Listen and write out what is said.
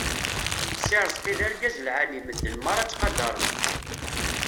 Si Rezqi d argaz n lɛali medden merra ttqadaren-t.